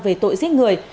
về tội giết người